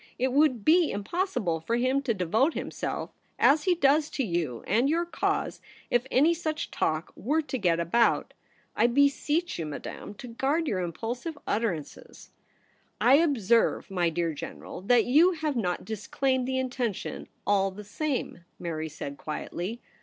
It would be impossible for him to devote himself as he does to you and your cause if any such talk were to get about. I beseech you, Madame, to guard your impulsive utter ances.' * I observe, my dear General, that you have not disclaimed the intention all the same/ Mary said quietly.